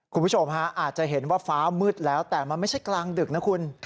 คุณผู้ชมฮะอาจจะเห็นว่าฟ้ามืดแล้วแต่มันไม่ใช่กลางดึกนะคุณ